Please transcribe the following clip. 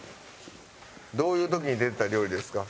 どういう時に出てた料理ですか？